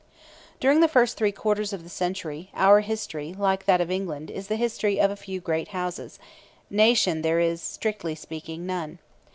During the first three quarters of the century, our history, like that of England, is the history of a few great houses; nation there is, strictly speaking, none.